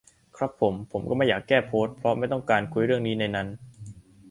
ครับผม ผมก็ไม่อยากโพสต์แก้ เพราะไม่ต้องการคุยเรื่องนี้ในนั้น